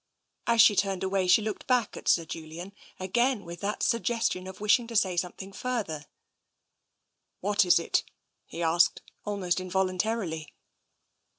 As she turned away, she looked back at Sir Julian, again with that suggestion of wishing to say some thing further. What is it ?" he asked, almost involuntarily.